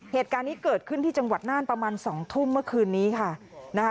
เหตุการณ์นี้เกิดขึ้นที่จังหวัดน่านประมาณ๒ทุ่มเมื่อคืนนี้ค่ะนะคะ